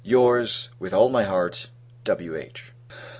Your's, with all my heart, W.H.